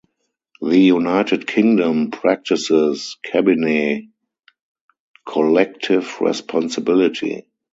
The United Kingdom practices cabinet collective responsibility.